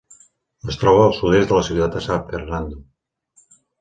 Es troba al sud-est de la ciutat de San Fernando.